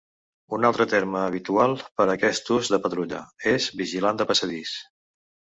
Un altre terme habitual per a aquest ús de "patrulla" és "vigilant de passadís".